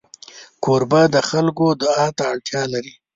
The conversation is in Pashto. کوربه د خلکو دعا ته اړتیا لري.